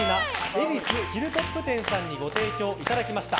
恵比寿ヒルトップ店さんにご提供いただきました。